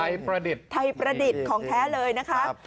ประดิษฐ์ไทยประดิษฐ์ของแท้เลยนะคะ